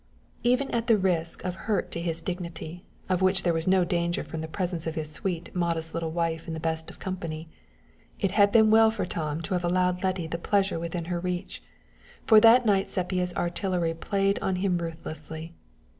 Even at the risk of hurt to his dignity, of which there was no danger from the presence of his sweet, modest little wife in the best of company, it had been well for Tom to have allowed Letty the pleasure within her reach; for that night Sepia's artillery played on him ruthlessly.